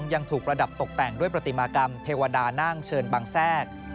ยังถูกประดับตกแต่งด้วยปฏิมากรรมเทวดานั่งเชิญบังแทรก